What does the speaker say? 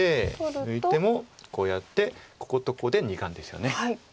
抜いてもこうやってこことここで２眼ですよね。